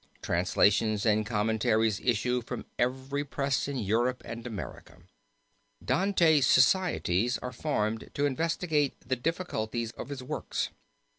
Translations and commentaries issue from every press in Europe and America. Dante Societies are formed to investigate the difficulties of his works.